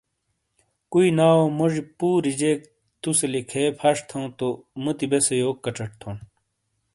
کُوئی ناؤ موجی پوری جیک تو سے لِکھے پَھش تھو تو مُوتی بیسے یوک کچٹ تھونڈ؟